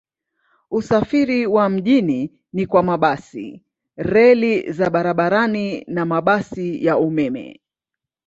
Usafiri wa mjini ni kwa mabasi, reli za barabarani na mabasi ya umeme.